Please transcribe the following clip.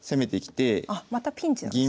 あまたピンチなんですね。